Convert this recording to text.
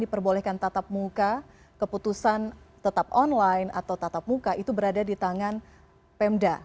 diperbolehkan tatap muka keputusan tetap online atau tatap muka itu berada di tangan pemda